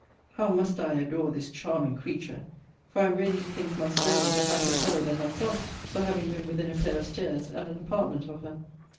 How must I adore this charming creature! for I am ready to think my servant a happier fellow than myself, for having been within a pair of stairs and an apartment of her.